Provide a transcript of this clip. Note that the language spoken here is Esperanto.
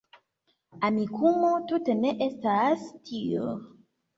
Amikumu tute ne estas tio